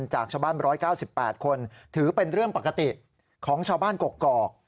จากชาวบ้านร้อยเก้าสิบแปดคนถือเป็นเรื่องปกติของชาวบ้านกรกกรอก